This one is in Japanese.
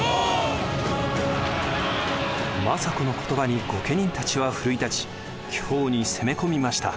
政子の言葉に御家人たちは奮い立ち京に攻め込みました。